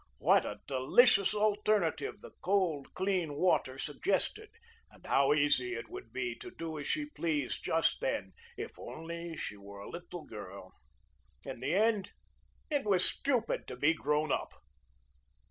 What a delicious alternative the cold, clean water suggested, and how easy it would be to do as she pleased just then, if only she were a little girl. In the end, it was stupid to be grown up.